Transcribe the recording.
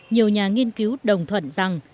nhiều nhà nghiên cứu đồng thuận rằng